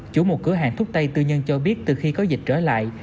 chủ một cửa hàng thuốc tây tư nhân cho biết từ khi có dịch trở lại